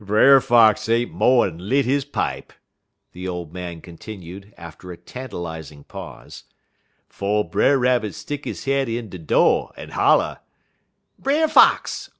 "Brer Fox ain't mo'n lit he pipe," the old man continued, after a tantalizing pause, "'fo' Brer Rabbit stick he head in de do' en holler: "Brer Fox!